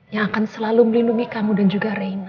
yang akan selalu melindungi kamu dan juga reina